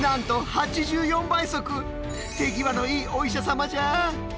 手際のいいお医者様じゃ。